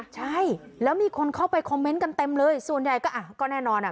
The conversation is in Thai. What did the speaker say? ใช่แล้วมีคนเข้าไปคอมเมนต์กันเต็มเลยส่วนใหญ่ก็อ่ะก็แน่นอนอ่ะ